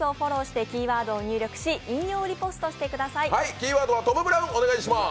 キーワードはトム・ブラウンお願いします。